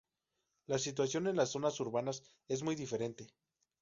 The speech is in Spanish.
La situación en las zonas urbanas es muy diferente.